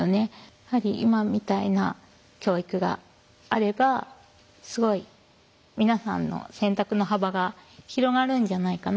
やはり今みたいな教育があればすごい皆さんの選択の幅が広がるんじゃないかなとは思います。